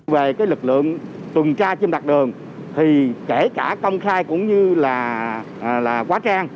về lực lượng tuần tra trên mặt đường kể cả công khai cũng như là quá trang